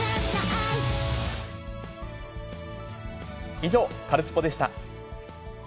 以上、カルスポっ！でした。